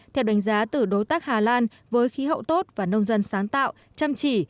theo đánh giá từ đối tác hà lan với khí hậu tốt và nông dân sáng tạo chăm chỉ